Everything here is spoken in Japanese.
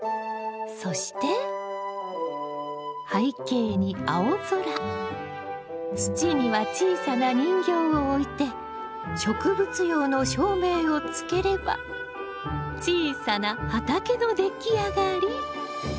そして背景に青空土には小さな人形を置いて植物用の照明をつければ小さな畑の出来上がり！